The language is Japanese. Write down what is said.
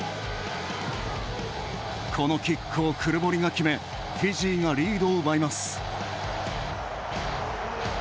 このキックをクルボリが決めフィジーがリードを奪います。